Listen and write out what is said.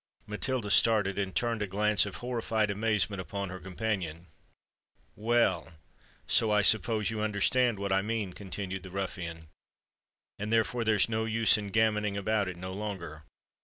Matilda started, and turned a glance of horrified amazement upon her companion. "Well—so I suppose you understand what I mean," continued the ruffian; "and, therefore, there's no use in gammoning about it no longer.